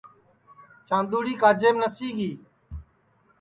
چاندُؔوڑی کاجیم نسی گی